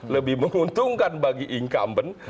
lebih menguntungkan bagi incumbent